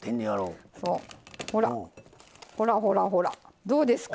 ほらほらほらほらどうですか？